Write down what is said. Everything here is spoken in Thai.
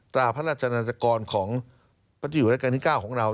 ตราพระราชลังจักรของพระติวรักษณ์ที่๙ของเรา